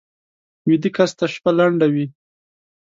ویده کس ته شپه لنډه وي